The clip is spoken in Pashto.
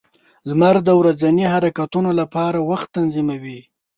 • لمر د ورځني حرکتونو لپاره وخت تنظیموي.